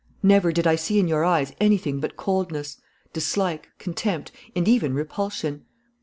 Never did I see in your eyes anything but coldness, dislike, contempt, and even repulsion.